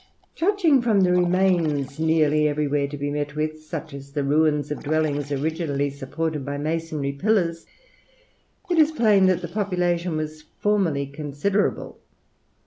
Judging from the remains nearly everywhere to be met with, such as the ruins of dwellings originally supported by masonry pillars, it is plain that the population was formerly considerable.